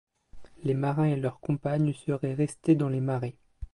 Les marins et leurs compagnes seraient restés dans les marais.